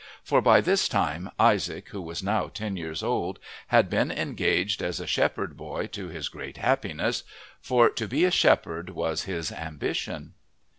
For by this time Isaac, who was now ten years old, had been engaged as a shepherd boy to his great happiness, for to be a shepherd was his ambition.